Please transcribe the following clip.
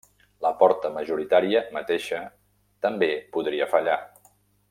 La porta majoritària mateixa també podria fallar.